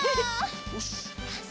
よし！